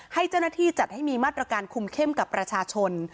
ให้เจ้าหน้าที่จัดให้มีมาตรการคุมเข้มกับประชาชน